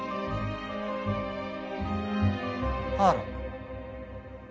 あら。